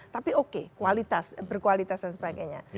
tapi oke kualitas berkualitas dan sebagainya